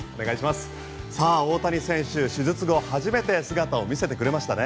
大谷選手、手術後初めて姿を見せてくれましたね。